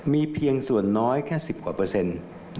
มีเพียงส่วนน้อยแค่๑๐กว่าเปอร์เซ็นต์